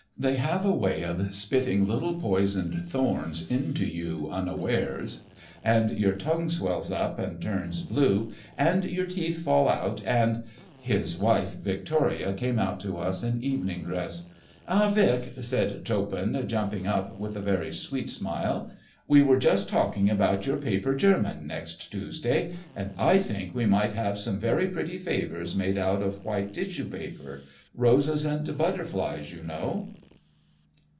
They have a way of spitting little poisoned thorns into you unawares, and your tongue swells up and turns blue and your teeth fall out and—" His wife Victoria came out to us in evening dress. "Ah, Vic," said Toppan, jumping up, with a very sweet smile, "we were just talking about your paper german next Tuesday, and I think we might have some very pretty favours made out of white tissue paper—roses and butterflies, you know."